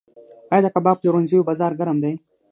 آیا د کباب پلورنځیو بازار ګرم دی؟